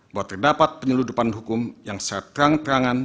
bahwa terdapat penyeludupan hukum yang seterang terangan